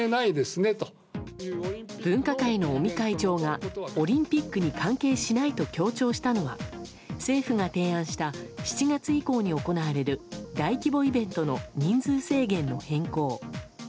分科会の尾身会長がオリンピックに関係しないと強調したのは政府が提案した７月以降に行われる大規模イベントの人数制限の変更。